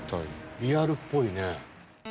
リアルっぽいね。